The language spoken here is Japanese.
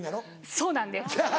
そうなんです